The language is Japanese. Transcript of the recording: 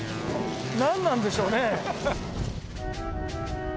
なんなんでしょうね。